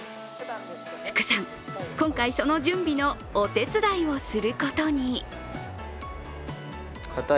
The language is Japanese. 福さん、今回その準備のお手伝いをすることに。